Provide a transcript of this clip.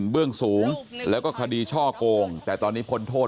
เบื้องสูงแล้วก็คดีช่อโกงแต่ตอนนี้พ้นโทษ